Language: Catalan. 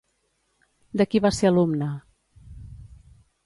De qui va ser alumna?